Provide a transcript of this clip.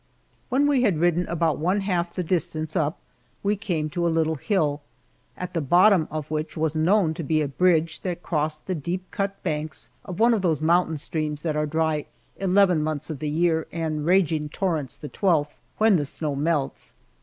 When we had ridden about one half the distance up we came to a little hill, at the bottom of which was known to be a bridge that crossed the deep cut banks of one of those mountain streams that are dry eleven months of the year and raging torrents the twelfth, when the snow melts.